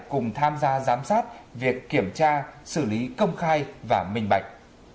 cùng tham gia giám sát việc kiểm tra xử lý công khai và minh bạch